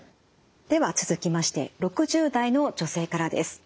では続きまして６０代の女性からです。